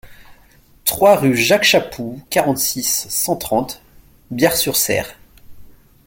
trois rue Jacques Chapou, quarante-six, cent trente, Biars-sur-Cère